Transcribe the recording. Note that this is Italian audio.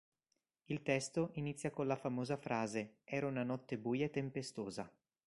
Il testo inizia con la famosa frase "era una notte buia e tempestosa".